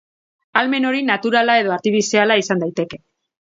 Ahalmen hori naturala edo artifiziala izan daiteke.